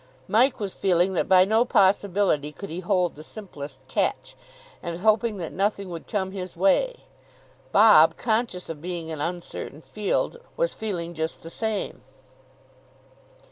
Mike was feeling that by no possibility could he hold the simplest catch, and hoping that nothing would come his way. Bob, conscious of being an uncertain field, was feeling just the same.